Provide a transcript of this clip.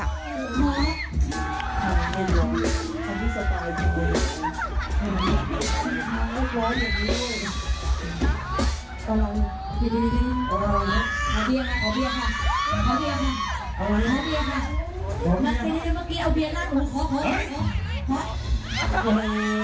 มาเตรียมเมื่อกี้เอาเบียนล่าของผมพอเพิ่ม